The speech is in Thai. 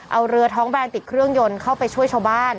เอาเรือท้องแบนติดเครื่องยนต์เข้าไปช่วยชาวบ้าน